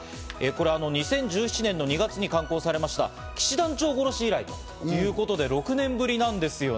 ２０１７年の２月に刊行されました、『騎士団長殺し』以来ということで、６年ぶりなんですよね。